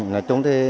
nói chung thì